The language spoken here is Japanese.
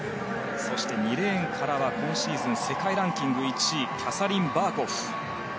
２レーンからは今シーズン世界ランキング１位キャサリン・バーコフ。